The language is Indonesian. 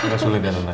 gak sulit ya mas